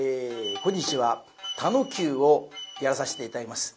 今日は「田能久」をやらさして頂きます。